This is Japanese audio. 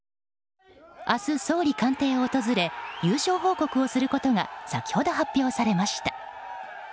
明日、総理官邸を訪れ優勝報告をすることが先ほど発表されました。